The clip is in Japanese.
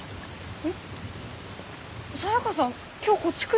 えっ？